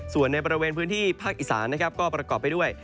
ส่วนในบริเวณพื้นที่ภาคอีสานนะครับก็ประกอบไปด้วย